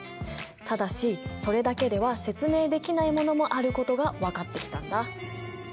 ただしそれだけでは説明できないものもあることが分かってきたんだ。